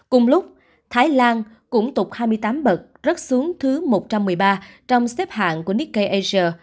cùng lúc thái lan cũng tục hai mươi tám bậc rớt xuống thứ một trăm một mươi ba trong xếp hạng của nikkei asia